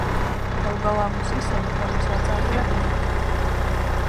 Galu galā mums visiem ir gados vecāki radinieki.